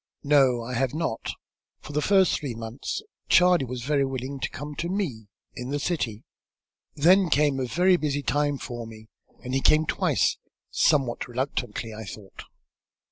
"No, I have not. For the first three months Charley was very willing to come to me, in the city. Then came a very busy time for me and he came twice, somewhat reluctantly, I thought.